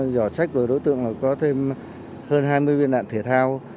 giỏ sách của đối tượng có thêm hơn hai mươi viên đạn thể thao